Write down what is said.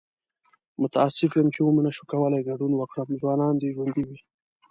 متاسف یم چې و مې نشو کولی ګډون وکړم. ځوانان دې ژوندي وي!